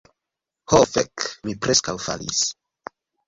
Ho fek' mi preskaŭ falis